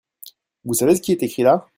Vous savez ce qui est écrit là ?